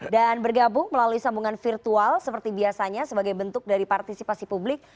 dan bergabung melalui sambungan virtual seperti biasanya sebagai bentuk dari partisipasi publik